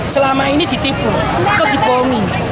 selama ini ditipu atau dibohongi